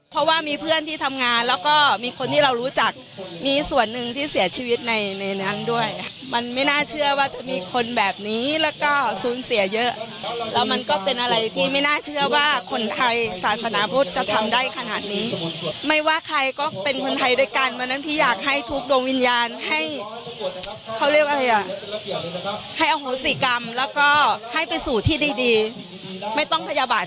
ที่ดีไม่ต้องพยาบาทขึ้นกันแล้วกัน